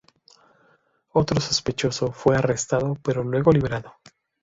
Otro sospechoso fue arrestado pero luego liberado.